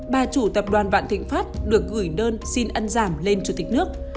bà chủ tập đoàn vạn thịnh pháp được gửi đơn xin ân giảm lên chủ tịch nước